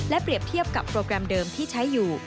เปรียบเทียบกับโปรแกรมเดิมที่ใช้อยู่